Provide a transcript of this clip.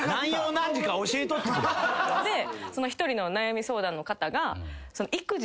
でその１人の悩み相談の方が。